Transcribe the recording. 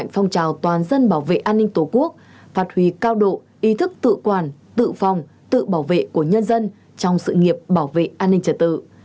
phong trào toàn dân bảo vệ an ninh tổ quốc phát huy cao độ ý thức tự quản tự phòng tự bảo vệ của nhân dân trong sự nghiệp bảo vệ an ninh trật tự